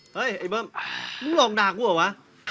เฮ้ยไอ้เบิ้มมึงลองด่ากูเหรอวะ